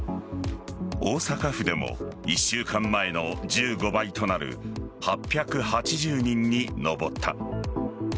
大阪府でも１週間前の１５倍となる８８０人に上った。